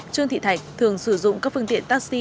trương thị thạch thường sử dụng các phương tiện taxi